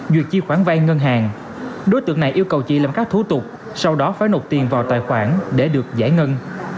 duyệt chi khoản vay ngân hàng đối tượng này yêu cầu chị làm các thủ tục sau đó phải nộp tiền vào tài khoản để được giải ngân